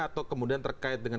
atau kemudian terkait dengan